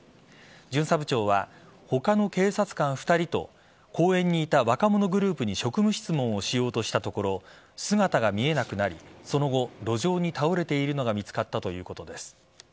巡査部長は他の警察官２人と公園にいた若者グループに職務質問をしようとしたところ姿が見えなくなり、その後路上に倒れているのが見つかったということです。